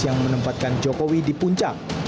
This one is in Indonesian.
yang menempatkan jokowi di puncak